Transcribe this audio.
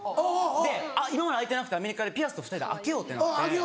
今まで開いてなくてアメリカでピアスを２人で開けようってなって。